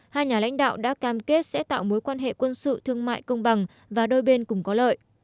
hai nhà lãnh đạo đã cam kết sẽ tạo mối quan hệ quân sự thương mại công bằng và đôi bên cùng có lợi